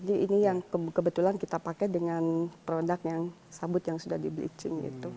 jadi ini yang kebetulan kita pakai dengan produk yang sabut yang sudah di bleaching gitu